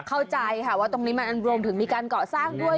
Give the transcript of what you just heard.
เข้าใจค่ะว่าตรงนี้มันรวมถึงมีการเกาะสร้างด้วย